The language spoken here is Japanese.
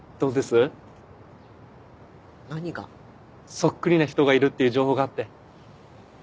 そっくりな人がいるっていう情報があって。